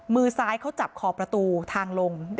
มือซ้ายเขาจับขอบประตูทางลง